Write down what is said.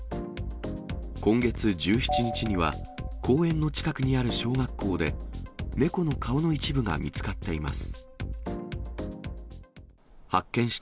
今月１７日には、公園の近くにある小学校で、猫の顔の一部が見つかっています。